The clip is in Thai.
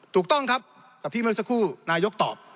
ถูกต้องครับกับที่เมื่อสักครู่นายกตอบ